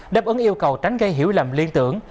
đáp ứng yêu cầu tránh gây hiểu lầm liên tưởng